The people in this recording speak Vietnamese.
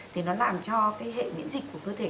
thì nó làm cho cái hệ miễn dịch của cơ thể